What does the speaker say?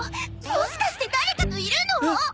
もしかして誰かといるの！？